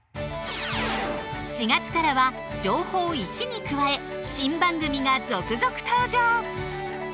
４月からは「情報Ⅰ」に加え新番組が続々登場！